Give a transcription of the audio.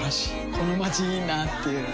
このまちいいなぁっていう